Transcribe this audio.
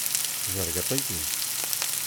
Tzerrgeḍ-iyi.